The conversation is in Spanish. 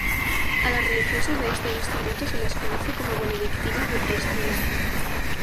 A las religiosas de este instituto se les conoce como benedictinas de Priscilla.